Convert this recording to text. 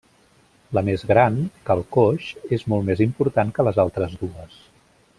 La més gran, Cal Coix, és molt més important que les altres dues.